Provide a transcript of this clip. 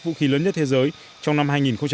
vũ khí lớn nhất thế giới trong năm hai nghìn một mươi bảy